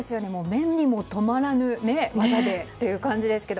目にも留まらぬ技でという感じですけど。